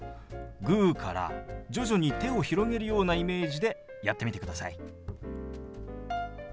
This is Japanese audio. グーから徐々に手を広げるようなイメージでやってみてください。